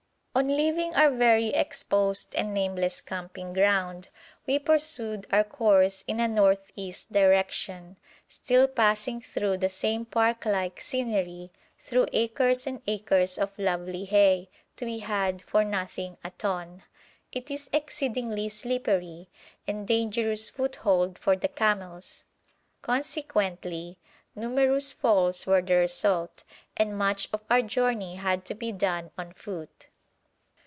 On leaving our very exposed and nameless camping ground, we pursued our course in a north east direction, still passing through the same park like scenery, through acres and acres of lovely hay, to be had for nothing a ton. It is exceedingly slippery, and dangerous foothold for the camels; consequently numerous falls were the result, and much of our journey had to be done on foot.